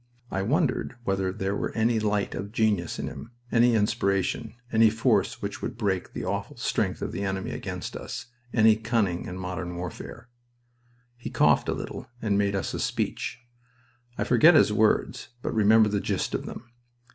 I wondered whether there were any light of genius in him any inspiration, any force which would break the awful strength of the enemy against us, any cunning in modern warfare. He coughed a little, and made us a speech. I forget his words, but remember the gist of them.